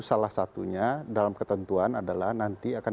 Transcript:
salah satunya dalam ketentuan adalah nanti akan